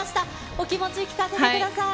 お気持ち、聞かせてください。